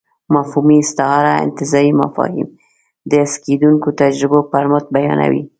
مفهومي استعاره انتزاعي مفاهيم د حس کېدونکو تجربو پر مټ بیانوي.